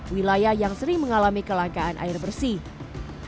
wilayah yang sering mengalami kelangkaan air bersih